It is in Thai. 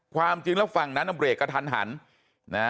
ความจริงแล้วฝั่งนั้นเรกกระทันหันนะ